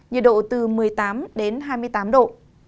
nhiệt độ từ một mươi tám đến hai mươi tám độ